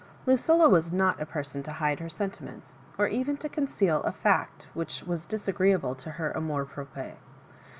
Lucilla was not a pereon to hide her senti ments, or even to conceal a &ct which was disa greeable to her omouT propre.